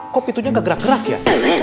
kok pintunya gak gerak gerak ya